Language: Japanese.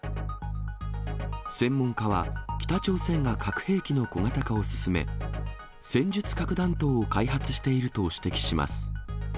専門家は、北朝鮮が核兵器の小型化を進め、戦術核弾頭を開発していると指摘します。